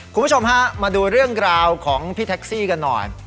คุณผู้ชมฮะมาดูเรื่องราวของพี่แท็กซี่กันหน่อย